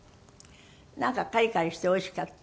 なんかカリカリしておいしかった。